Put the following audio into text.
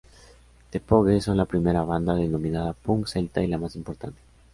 The Pogues son la primera banda denominada punk celta y la más importante.